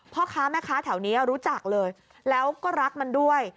พ่อค้าแม่ค้าแถวนี้รู้จักเลยแล้วก็รักมันด้วย